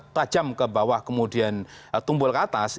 tajam ke bawah kemudian tumbuh ke atas